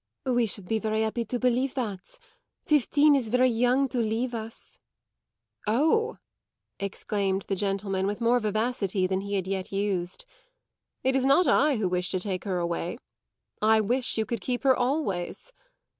"We should be very happy to believe that. Fifteen is very young to leave us." "Oh," exclaimed the gentleman with more vivacity than he had yet used, "it is not I who wish to take her away. I wish you could keep her always!"